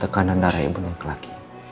udah ada kabar belum